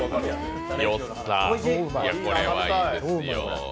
これはいいですよ。